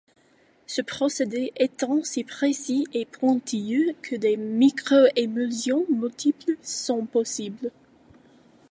Ce procédé étant si précis et pointilleux que des microémulsions multiples sont possibles.